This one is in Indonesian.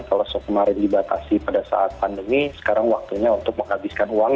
kalau kemarin dibatasi pada saat pandemi sekarang waktunya untuk menghabiskan uang